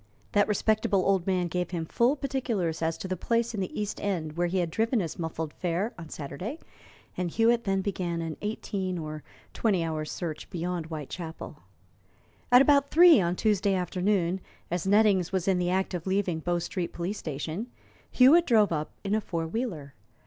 That respectable old man gave him full particulars as to the place in the East End where he had driven his muffled fare on Saturday, and Hewitt then begun an eighteen, or twenty hours' search beyond Whitechapel. At about three on Tuesday afternoon, as Nettings was in the act of leaving Bow Street Police Station, Hewitt drove up in a four wheeler.